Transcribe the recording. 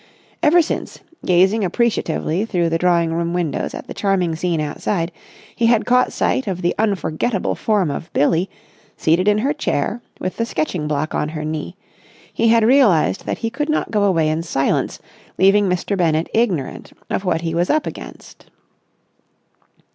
Ever since, gazing appreciatively through the drawing room windows at the charming scene outside, he had caught sight of the unforgettable form of Billie, seated in her chair with the sketching block on her knee, he had realised that he could not go away in silence, leaving Mr. Bennett ignorant of what he was up against.